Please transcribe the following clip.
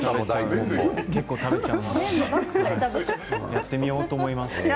やってみようと思います。